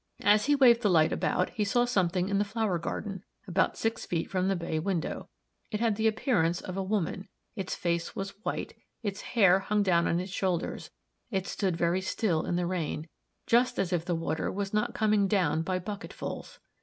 As he waved the light about, he saw something in the flower garden, about six feet from the bay window. It had the appearance of a woman; its face was white, its hair hung down on its shoulders; it stood quite still in the rain, just as if the water was not coming down by bucketfuls.